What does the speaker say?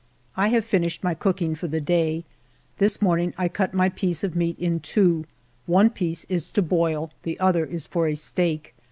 I have finished my cooking for the day. This morning I cut my piece of meat in two : one piece is to boil ; the other is for a steak.